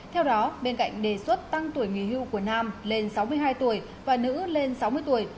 theo đó bên cạnh đề xuất tăng tuổi nghỉ hưu của nam lên sáu mươi hai tuổi và nữ lên sáu mươi tuổi